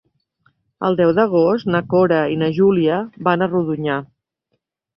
El deu d'agost na Cora i na Júlia van a Rodonyà.